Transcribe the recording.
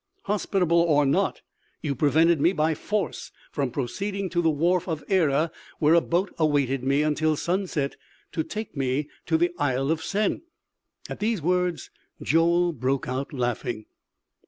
"Hospitable, or not, you prevented me by force from proceeding to the wharf of Erer, where a boat awaited me until sunset, to take me to the Isle of Sen." At these words Joel broke out laughing.